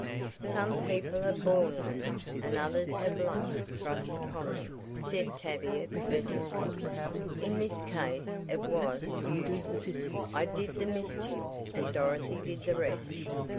"Some people are born lucky, and others have luck thrust upon them," said Tavia pleasantly. "In this case it was as usual. I did the mischief and Dorothy did the rest.